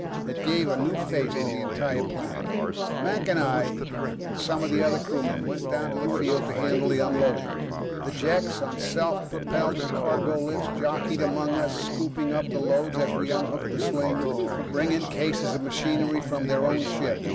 It gave a new face to the entire planet. Mac and I and some of the other crewmen went down on the field to handle the unloading. Jeks on self propelled cargo lifts jockeyed among us, scooping up the loads as we unhooked the slings, bringing cases of machinery from their own ship.